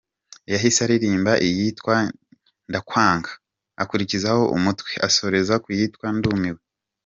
Yahise aririmba iyitwa ’Ndakwanga’, akurikizaho ’Umutwe’ asoreza ku yitwa ’Ndumiwe’.